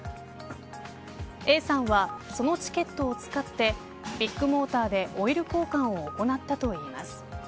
Ａさんはそのチケットを使ってビッグモーターでオイル交換を行ったといいます。